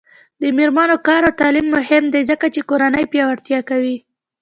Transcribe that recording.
د میرمنو کار او تعلیم مهم دی ځکه چې کورنۍ پیاوړتیا کوي.